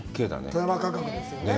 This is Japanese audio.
富山価格ですね。